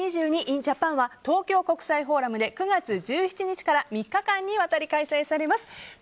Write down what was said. ｉｎＪＡＰＡＮは東京国際フォーラムで９月１７日から３日間にわたり開催されます。